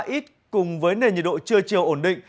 ít cùng với nền nhiệt độ trưa chiều ổn định